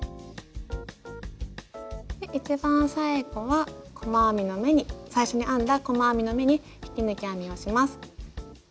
一番最後は細編みの目に最初に編んだ細編みの目に引き抜き編みをします。